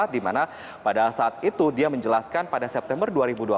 dimana pada saat itu dia menjelaskan pada september dua ribu dua belas